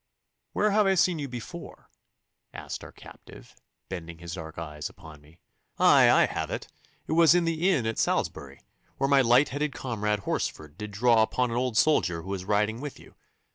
'Where have I seen you before?' asked our captive, bending his dark eyes upon me. 'Aye, I have it! It was in the inn at Salisbury, where my light headed comrade Horsford did draw upon an old soldier who was riding with you.